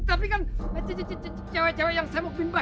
tapi kan cewek cewek yang semuk bimbah